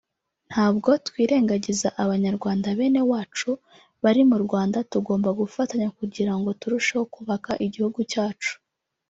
ntabwo twirengagiza Abanyarwanda bene wacu bari mu Rwanda tugomba gufatanya kugira ngo turusheho kubaka igihugu cyacu